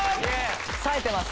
さえてます！